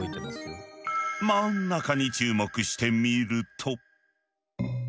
真ん中に注目して見ると。